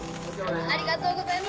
ありがとうございます。